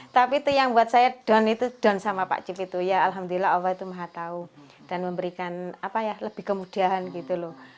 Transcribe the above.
tapi itu yang buat saya down itu down sama pak chip itu ya alhamdulillah allah itu maha tahu dan memberikan apa ya lebih kemudahan gitu loh